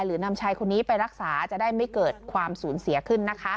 นำชายคนนี้ไปรักษาจะได้ไม่เกิดความสูญเสียขึ้นนะคะ